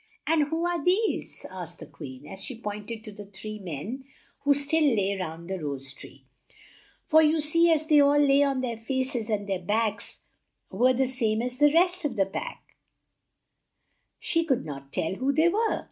"And who are these?" asked the Queen, as she point ed to the three men who still lay round the rose tree; for you see as they all lay on their faces and their backs were the same as the rest of the pack, she could not tell who they were.